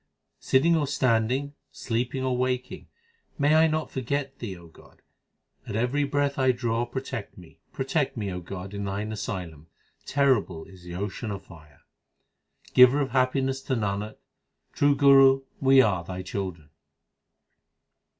Sitting or standing, sleeping or waking may I not forget Thee O God, at every breath I draw ! Protect me, protect me, O God, in Thine asylum ! terrible is the ocean of fire. Giver of happiness to Nanak ; true Guru, we are Thy children.